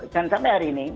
dan sampai hari ini